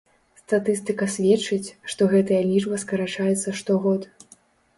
Статыстыка сведчыць, што гэтая лічба скарачаецца штогод.